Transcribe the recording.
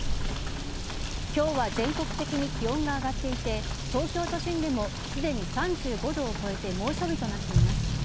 今日は全国的に気温が上がっていて東京都心でもすでに３５度を超えて猛暑日となっています。